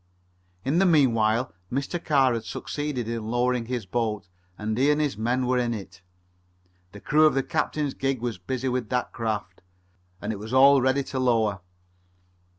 In the meanwhile Mr. Carr had succeeded in lowering his boat, and he and his men were in it. The crew of the captain's gig were busy with that craft, and it was all ready to lower.